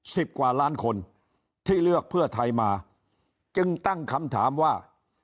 สิบกว่าล้านคนที่เลือกเพื่อไทยมาจึงตั้งคำถามว่า